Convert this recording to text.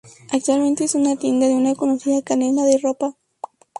Actualmente es una tienda de una conocida cadena de ropa